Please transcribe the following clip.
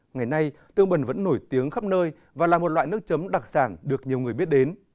ngày nay tương bần vẫn nổi tiếng khắp nơi và là một loại nước chấm đặc sản được nhiều người biết đến